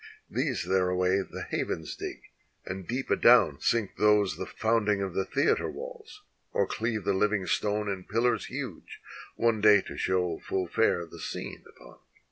These thereaway the havens dig, and deep adown sink those The founding of the theater walls, or cleave the Uving stone In pillars huge, one day to show full fair the scene upon.